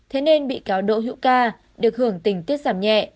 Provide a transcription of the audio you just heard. thế nên bị cáo đỗ hữu ca được hưởng tình tiết giảm nhẹ